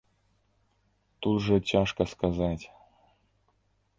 Тут жа цяжка сказаць.